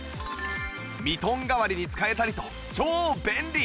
ミトン代わりに使えたりと超便利